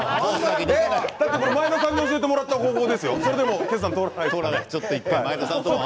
前田さんに教えてもらった方法ですよ。